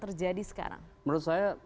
terjadi sekarang menurut saya